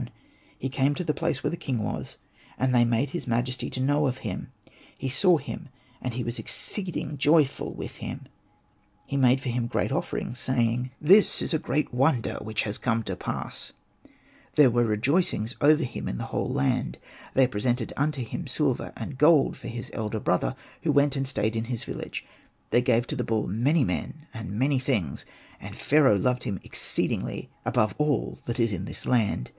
He ANPU ON THE BULL came to the place where the king was, and they made his majesty to know of him ; he saw him, and he was exceeding joyful with him. He made for him great offerings, saying, Hosted by Google 6o ANPU AND BATA '' This is a great wonder which has come to pass." There were rejoicings over him in the whole land. They presented unto him silver and gold for his elder brother, who went and stayed in his village. They gave to the bull many men and many things, and Pharaoh loved him exceedingly above all that is in this land.